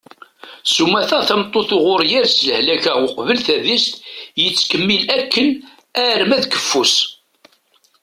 sumata tameṭṭut uɣur yers lehlak-a uqbel tadist yettkemmil akken arma d keffu-s